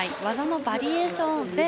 技のバリエーション